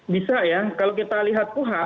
bisa ya kalau kita lihat puha